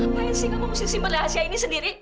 apa yang sih kamu mesti simpen rahasia ini sendiri